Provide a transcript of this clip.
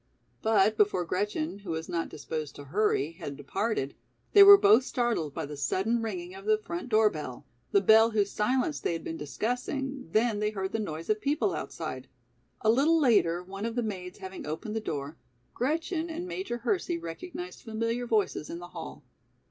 But before Gretchen, who was not disposed to hurry, had departed, they were both startled by the sudden ringing of the front door bell, the bell whose silence they had been discussing, then they heard the noise of people outside. A little later, one of the maids having opened the door, Gretchen and Major Hersey recognized familiar voices in the hall.